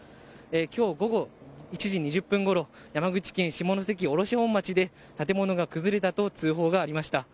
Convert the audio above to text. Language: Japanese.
今日午後１時２０分ごろ山口県下関市卸本町で建物が崩れたと通報がありました。